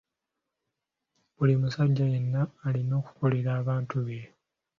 Buli musajja yenna alina okukolerera abantu be.